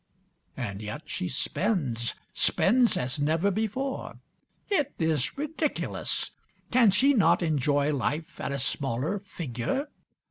And yet she spends, spends as never before. It is ridiculous. Can she not enjoy life at a smaller figure?